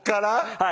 はい。